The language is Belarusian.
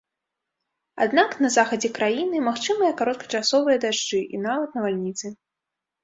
Аднак на захадзе краіны магчымыя кароткачасовыя дажджы і нават навальніцы.